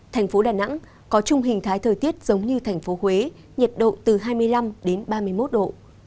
thành phố đà nẵng có chung hình thái thời tiết giống như thành phố huế nhiệt độ từ hai mươi năm đến ba mươi một độ